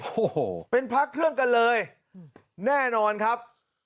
โอ้โหเป็นพระเครื่องกันเลยแน่นอนครับ